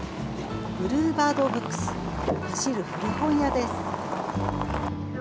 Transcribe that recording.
ブルーバードブックス、走る古本屋です。